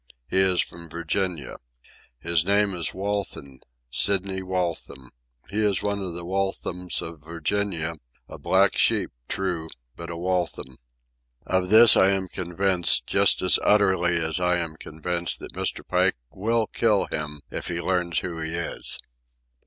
He is from Virginia. His name is Waltham—Sidney Waltham. He is one of the Walthams of Virginia, a black sheep, true, but a Waltham. Of this I am convinced, just as utterly as I am convinced that Mr. Pike will kill him if he learns who he is.